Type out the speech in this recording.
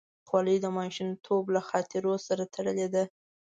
خولۍ د ماشومتوب له خاطرو سره تړلې ده.